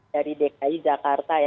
dari dki jakarta ya